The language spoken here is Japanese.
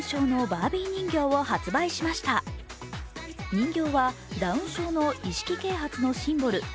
人形はダウン症の意識啓発のシンボル＝